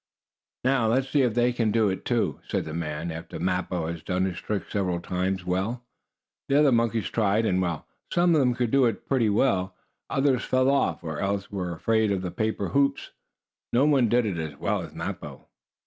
"Now let's see if they can do it," said the man, after Mappo had done his trick several times. Well, the other monkeys tried, and while some of them could do it pretty well, others fell off, or else were afraid of the paper hoops. No one did it as well as Mappo.